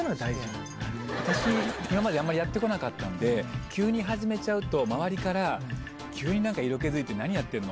私、今まであんまりやってこなかったんで、急に始めちゃうと、周りから急になんか色気づいて何やってるの？